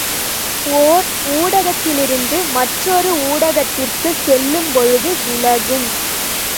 ஒர் ஊடகத்திலிருந்து மற்றொரு ஊடகத்திற்குச் செல்லும்பொழுது விலகும்.